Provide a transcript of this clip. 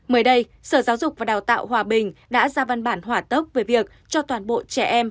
mới đây sở giáo dục và đào tạo hòa bình đã ra văn bản hỏa tốc về việc cho toàn bộ trẻ em